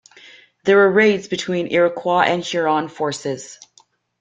There were raids between Iroquois and Huron forces.